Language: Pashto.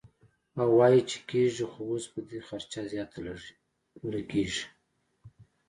او وائي چې کيږي خو اوس به دې خرچه زياته لګي -